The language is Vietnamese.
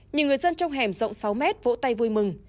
nhiều người dân trong hẻm rộng sáu mét vỗ tay vui mừng